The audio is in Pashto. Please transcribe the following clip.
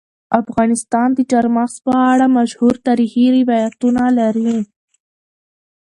افغانستان د چار مغز په اړه مشهور تاریخي روایتونه لري.